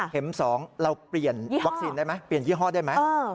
๒เราเปลี่ยนวัคซีนได้ไหมเปลี่ยนยี่ห้อได้ไหม